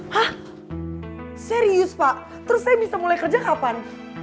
hah serius pak terus saya bisa mulai kerja kapan